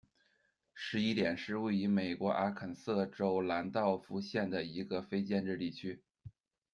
十一点是位于美国阿肯色州兰道夫县的一个非建制地区。